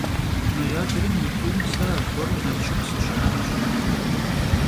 Noyabrım yi t'um se argueru Nalşşık sışı'enuş.